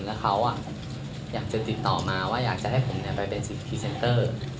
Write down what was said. แล้วเขาอ่ะอยากจะติดต่อมาว่าอยากจะให้ผมเนี่ยไปเป็นคีย์เซ็นเตอร์